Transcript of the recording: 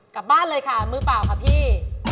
กลับบ้านเลยค่ะมือเปล่าค่ะพี่